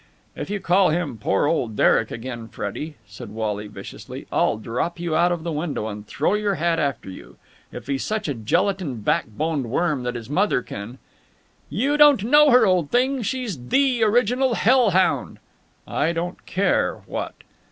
"If you call him 'poor old Derek' again, Freddie," said Wally viciously, "I'll drop you out of the window and throw your hat after you! If he's such a gelatine backboned worm that his mother can...." "You don't know her, old thing! She's the original hellhound!" "I don't care what...."